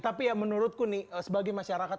tapi ya menurutku nih sebagai masyarakat